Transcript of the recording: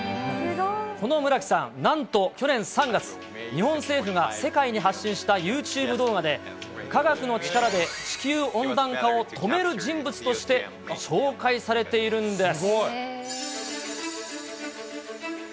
この村木さん、なんと去年３月、日本政府が世界に発信したユーチューブ動画で、化学の力で地球温暖化を止める人物として紹介されているんです。